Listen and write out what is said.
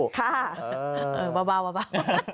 ค่ะเออเออบ้าบ้าบ้าบ้า